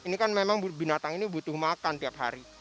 ini kan memang binatang ini butuh makan tiap hari